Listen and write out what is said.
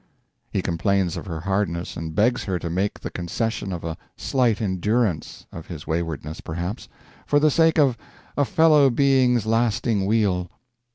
He complains of her hardness, and begs her to make the concession of a "slight endurance" of his waywardness, perhaps for the sake of "a fellow being's lasting weal."